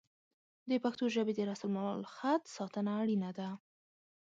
د پښتو ژبې د رسم الخط ساتنه اړینه ده.